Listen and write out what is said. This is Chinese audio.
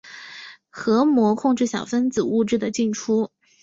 核膜控制小分子物质的进出。